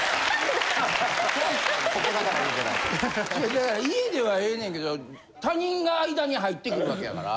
だから家ではええねんけど他人が間に入ってくるわけやから。